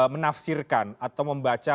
menafsirkan atau membaca